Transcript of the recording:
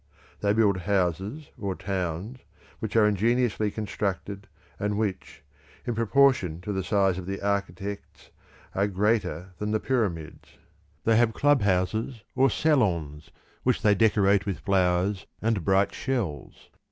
They build houses or towns which are ingeniously constructed, and which, in proportion to the size of the architects, are greater than the Pyramids. They have clubhouses or salons which they decorate with flowers and bright shells.